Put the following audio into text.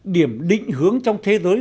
điểm định hướng trong thế giới